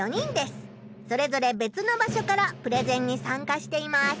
それぞれべつの場所からプレゼンにさんかしています。